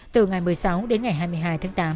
từ ngày một mươi sáu đến ngày hai mươi hai tháng tám